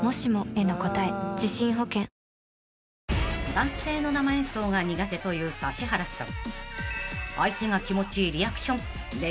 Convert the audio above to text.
［男性の生演奏が苦手という指原さん］